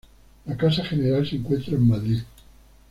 La casa general se encuentra en Madrid.